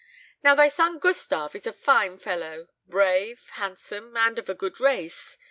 "Now thy son Gustave is a fine fellow brave, handsome, and of a good race.